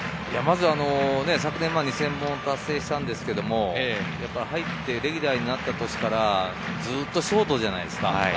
昨年２０００本達成したんですけど、入ってレギュラーになった年からずっとショートじゃないですか。